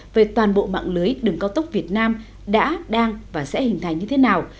về toàn bộ mạng lưới đường cao tốc việt nam đã đang và sẽ hình thành như thế nào